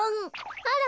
あら。